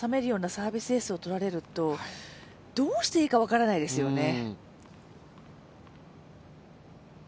サービスエースをとられるとどうしていいか分からないですよね。